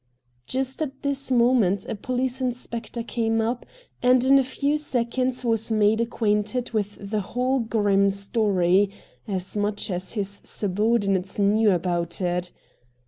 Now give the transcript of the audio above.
Just at this moment a police inspector came up, and in a few seconds was made acquainted with the whole grim story — as much as his subordinates knew about it.